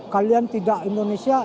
kalian tidak indonesia